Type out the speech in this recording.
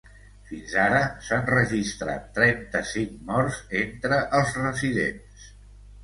Fins ara s’han registrat trenta-cinc morts entre els residents.